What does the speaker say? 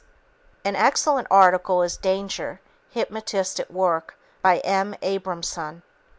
An excellent article is "Danger! Hypnotherapist at Work" by M. Abramson.